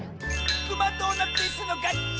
クマドーナツイスのかち！